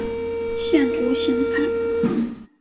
腺独行菜